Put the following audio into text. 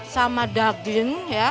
sama daging ya